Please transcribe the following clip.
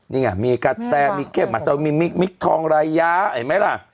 นี่ไงมีกาแต้มมีเกษตรมาซาวินมิกทองระยะเห็นไหมล่ะ